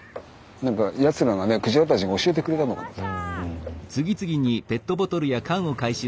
何かやつらがねクジラたちが教えてくれたのかなと。